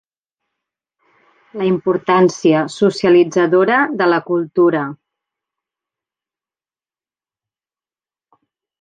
La importància socialitzadora de la cultura.